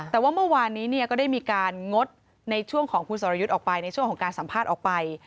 แต่ว่าเมื่อวานนี้ก็ได้มีการงดในช่วงของคุณสรยุทธ์ออกไปในช่วงของการสัมภาษณ์ออกไป